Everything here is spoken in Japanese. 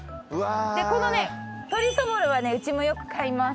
このね鶏そぼろはねうちもよく買います。